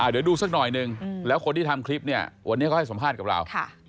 เดี๋ยวดูสักหน่อยนึงแล้วคนที่ทำคลิปเนี่ยวันนี้เขาให้สัมภาษณ์กับเรา